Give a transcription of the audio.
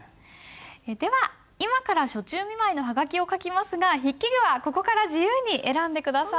では今から暑中見舞いのハガキを書きますが筆記具はここから自由に選んで下さい。